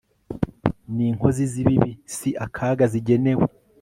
n'inkozi z'ibibi si akaga zigenewe